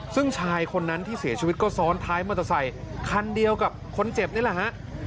ซึ่งชายคนนั้นที่เสียชีวิตก็ซ้อนท้ายมอเตอร์ไซคันเดียวกับคนเจ็บนี่แหละฮะ